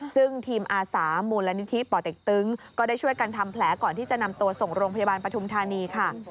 ซึ่งทีมอาสามูลนิธิป่อเต็กตึงก็ได้ช่วยกันทำแผลก่อนที่จะนำตัวส่งโรงพยาบาลปฐุมธานีค่ะ